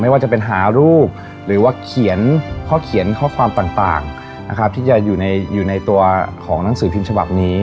ว่าจะเป็นหารูปหรือว่าเขียนข้อเขียนข้อความต่างนะครับที่จะอยู่ในตัวของหนังสือพิมพ์ฉบับนี้